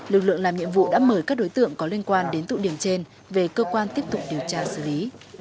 lực lượng làm nhiệm vụ đã mời các đối tượng có liên quan đến tụ điểm trên về cơ quan tiếp tục điều tra xử lý